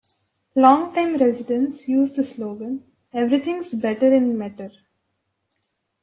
Longtime residents use the slogan "Everything's Better in Metter".